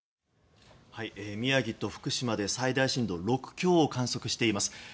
宮城と福島で最大震度６強を観測しています。